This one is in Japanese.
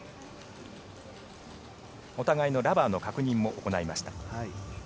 お互いのラバーの確認も行いました。